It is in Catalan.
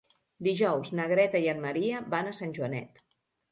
Dijous na Greta i en Maria van a Sant Joanet.